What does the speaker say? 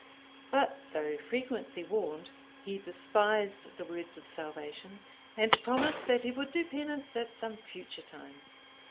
But though frequently warned, he despised the words of salvation, and promised that he would do penance at some future time.